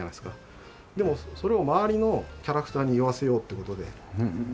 でもそれを周りのキャラクターに言わせようって事で。